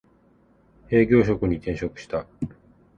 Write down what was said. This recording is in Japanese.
営業職に転職した